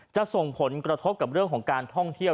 จะส่งผลกระทบกับเรื่องของการท่องเที่ยว